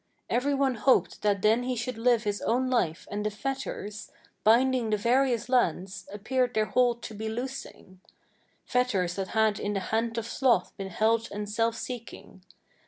Every one hoped that then he should live his own life, and the fetters, Binding the various lands, appeared their hold to be loosing, Fetters that had in the hand of sloth been held and self seeking.